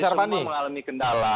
dari semua mengalami kendala